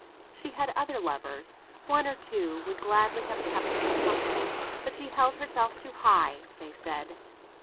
She had other lovers. One or two would gladly have kept her company, but she held herself too high, they said.